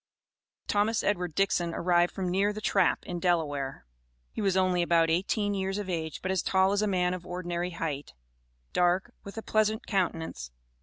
Thomas Edward Dixon arrived from near the Trap, in Delaware. He was only about eighteen years of age, but as tall as a man of ordinary height; dark, with a pleasant countenance.